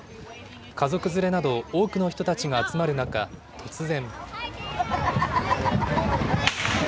家族連れなど、多くの人たちが集まる中、突然。